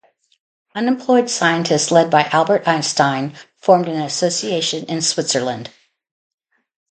Unemployed scientists led by Albert Einstein formed an association in Switzerland.